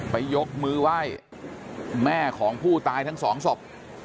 ยกมือไหว้แม่ของผู้ตายทั้งสองศพ